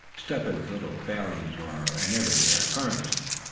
Step Hen's little failings were an everyday occurrence.